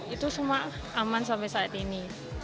itu semua aman sampai saat ini